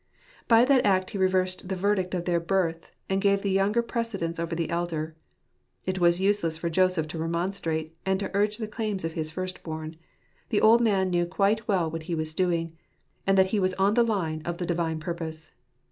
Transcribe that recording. By that act he reversed the verdict of their birth, and gave the younger precedence over the elder. It was useless for Joseph to remonstrate, and to urge the claims of his first bom. The old man knew quite well what he was doing, and that he was on the line of the divine purpose.